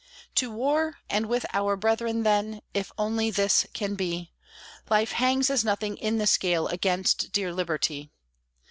To war, and with our brethren, then, if only this can be! Life hangs as nothing in the scale against dear Liberty!